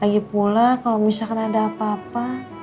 lagi pula kalau misalkan ada apa apa